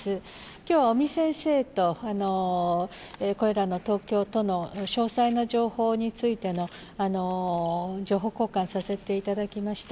きょうは尾身先生と、これらの東京都の詳細な情報についての情報交換させていただきました。